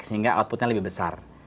sehingga outputnya lebih besar